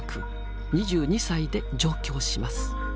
２２歳で上京します。